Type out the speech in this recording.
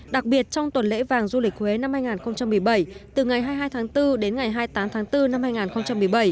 đặc biệt trong tuần lễ vàng du lịch huế năm hai nghìn một mươi bảy từ ngày hai mươi hai tháng bốn đến ngày hai mươi tám tháng bốn năm hai nghìn một mươi bảy